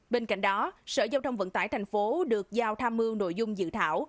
bên cạnh đó sở giao thông vận tải tp hcm được giao tham mưu nội dung dự thảo